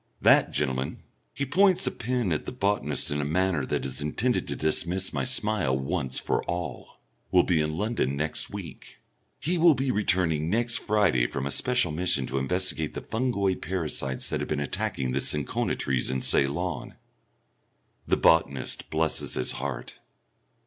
"That gentleman" he points a pen at the botanist in a manner that is intended to dismiss my smile once for all "will be in London next week. He will be returning next Friday from a special mission to investigate the fungoid parasites that have been attacking the cinchona trees in Ceylon." The botanist blesses his heart.